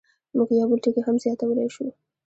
موږ یو بل ټکی هم زیاتولی شو.